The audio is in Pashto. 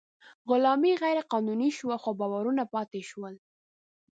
غلامي غیر قانوني شوه، خو باورونه پاتې شول.